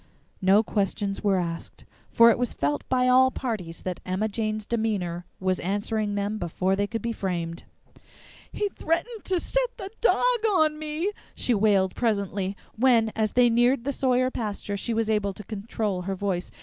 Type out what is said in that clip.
No questions were asked, for it was felt by all parties that Emma Jane's demeanor was answering them before they could be framed. "He threatened to set the dog on me!" she wailed presently, when, as they neared the Sawyer pasture, she was able to control her voice.